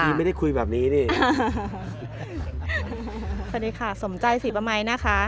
เรียกว่าที่ปกติใช่ไหมคะ